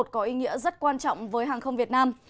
có ý nghĩa rất quan trọng với hàng không việt nam